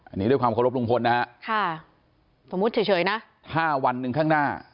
อันนี้ด้วยความเคารพลุงพลนะฮะค่ะสมมุติเฉยนะ๕วันหนึ่งข้างหน้า